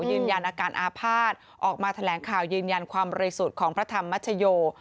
ยืนยันอาการอาภาษณ์ออกมาแถลงข่าวยืนยันความบริสุทธิ์ของพระธรรมชโย